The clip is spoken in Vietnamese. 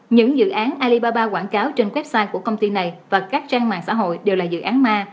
những dự án alibaba quảng cáo trên website của công ty này và các trang mạng xã hội đều là dự án ma